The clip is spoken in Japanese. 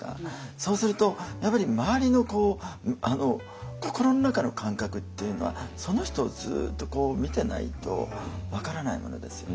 そうするとやっぱり周りの心の中の感覚っていうのはその人をずっとこう見てないと分からないものですよね。